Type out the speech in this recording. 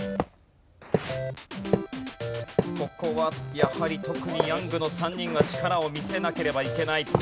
ここはやはり特にヤングの３人は力を見せなければいけない。